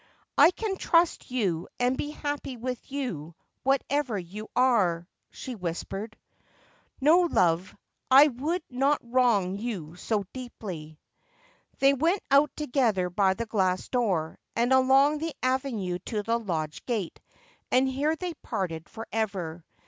' I can trust you and be happy with you, whatever you are,' she whispered. ' No, love, I would not wrong you so deeply.' They went out together by the glass door, and along the avenue to the lodge gate, and here they parted for ever.